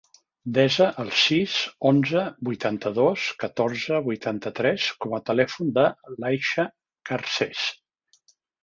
Desa el sis, onze, vuitanta-dos, catorze, vuitanta-tres com a telèfon de l'Aixa Garces.